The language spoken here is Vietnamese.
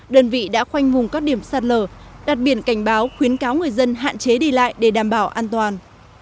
đơn vị đã khoanh vùng các điểm sạt lở đặt biển cảnh báo khuyến cáo người dân hạn chế đi lại để đảm bảo an toàn